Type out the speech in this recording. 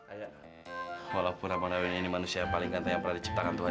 ayah walaupun abang daryl ini manusia yang paling gantai yang pernah diciptakan tuhan